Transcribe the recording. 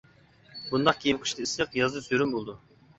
بۇنداق كىيىم قىشتا ئىسسىق، يازدا سۆرۈن بولىدۇ.